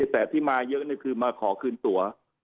แต่ที่มาเยอะคือมาขอคืนตัว